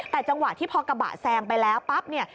แต่จังหวะที่พอกระบะแซงไปแล้วปั๊บเนี่ย